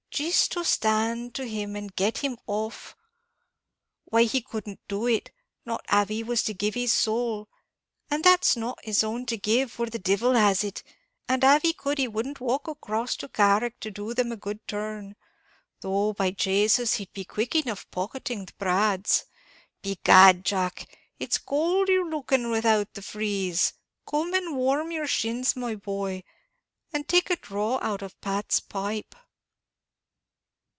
jist to stand to him and get him off. Why he couldn't do it, not av he was to give his sowl and that's not his own to give, for the divil has it; and av he could, he wouldn't walk across Carrick to do them a good turn though, by Jasus, he'd be quick enough pocketing the brads. Begad, Jack, and it's cowld you're looking without the frieze; come and warm your shins, my boy, and take a draw out of Pat's pipe."